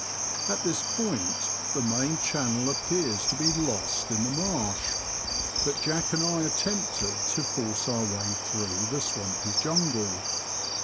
At this point the main channel appears to be lost in the marsh, but Jack and I attempted to force our way through the swampy jungle.